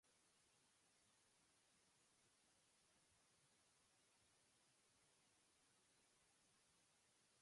This operation resulted in the First Battle of Sirte, which ended inconclusively.